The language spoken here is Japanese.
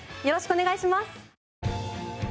よろしくお願いします。